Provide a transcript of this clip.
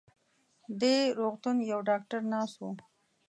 دې روغتون يو ډاکټر ناست و.